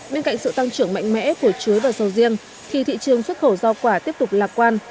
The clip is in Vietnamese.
bên cạnh sự tăng trưởng mạnh mẽ của chuối và sầu riêng thì thị trường xuất khẩu rau quả tiếp tục lạc quan